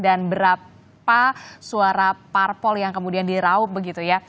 dan berapa suara parpol yang kemudian diraup begitu ya